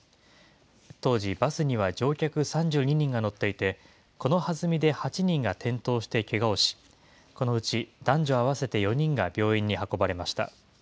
当時、バスには乗客３２人が乗っていて、このはずみで８人が転倒してけがをし、このうち男女合わせて４人が病院に運ばれました。